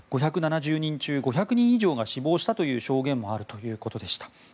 ５７０人中５００人以上が死亡したという証言もあるということでした。